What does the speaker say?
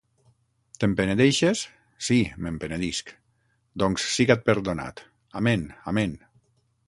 —Te'n penedeixes? —Sí, me'n penedisc. —Doncs, siga't perdonat. —Amén, amén.